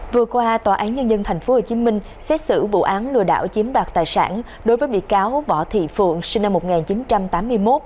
vừa qua tòa án nhân dân tp hcm xét xử vụ án lừa đảo chiếm đoạt tài sản đối với bị cáo võ thị phượng sinh năm một nghìn chín trăm tám mươi một